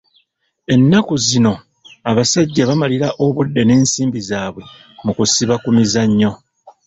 Ennaku zino abasajja bamalira obudde n'ensimbi zaabwe mu kusiba ku mizannyo.